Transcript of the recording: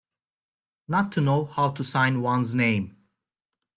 Not to know how to sign one's name.